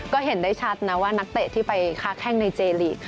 ก็เห็นได้ชัดนะว่านักเตะที่ไปค้าแข้งในเจลีก